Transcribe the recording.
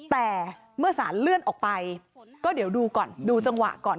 แต่เมื่อสารเลื่อนออกไปก็เดี๋ยวดูก่อนดูจังหวะก่อน